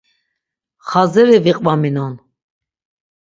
Xaziri viqvaminon.